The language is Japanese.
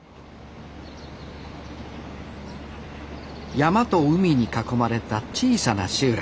山と海に囲まれた小さな集落。